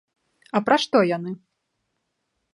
А пра што яны?